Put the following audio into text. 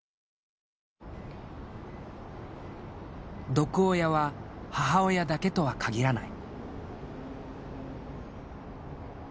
毒親は母親だけとは限らない。